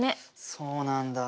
そうなんだ。